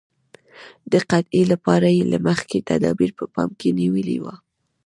د قحطۍ لپاره یې له مخکې تدابیر په پام کې نیولي وو.